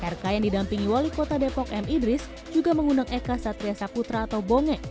rk yang didampingi wali kota depok m idris juga mengundang eka satria saputra atau bonge